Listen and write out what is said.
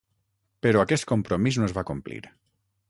Però aquest compromís no es va complir.